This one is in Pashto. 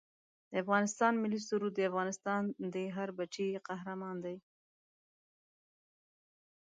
د افغانستان ملي سرود دا افغانستان دی هر بچه یې قهرمان دی